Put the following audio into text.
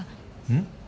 うん？